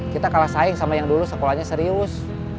kita kalah saing sama yang dulu sekolahnya serius